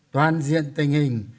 toàn diện tình hình